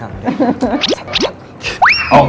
ของนั้นจะสับด้วยทาน